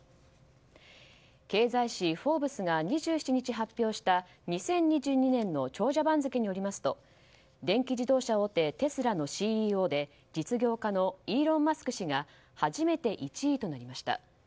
経済誌「フォーブス」が２７日、発表した２０２２年の長者番付によりますと電気自動車大手テスラのＣＥＯで実業家のイーロン・マスク氏が初めて１位となりました。